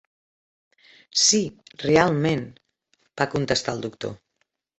"Sí, realment", va contestar el doctor.